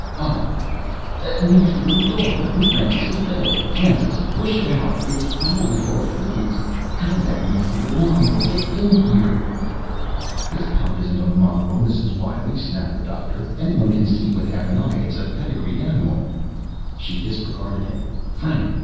"Oh! A nasty little dog right in Francis's bed! Francis, push it out! It's probably full of fleas. How did that nasty little mongrel get in here?" "This pup isn't a mongrel, Mrs. Wiley," snapped the doctor. "Anyone can see with half an eye it's a pedigreed animal." She disregarded him. "Frank!